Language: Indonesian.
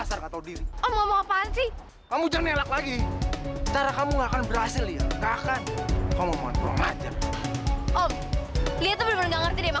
sampai jumpa di video selanjutnya